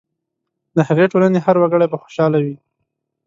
د هغې ټولنې هر وګړی به خوشاله وي.